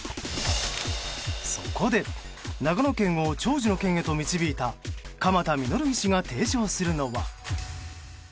そこで、長野県を長寿の県へと導いた鎌田實医師が提唱するのは。